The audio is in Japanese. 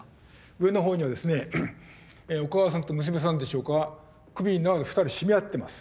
上の方にはですねお母さんと娘さんでしょうか首縄で２人絞め合ってます。